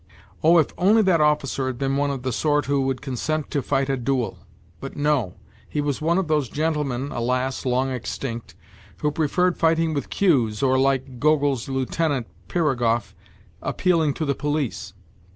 Oh, if only that officer had been one of the sort who would consent to fight a duel ! But no, he was one of those gentlemen (alas, long extinct !) who preferred fighting with cues or, like Gogol's Lieutenant Pirogov, appealing to the police.